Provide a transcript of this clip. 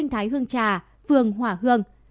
trà vườn hỏa hương